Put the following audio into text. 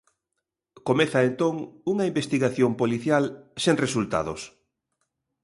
Comeza entón unha investigación policial sen resultados.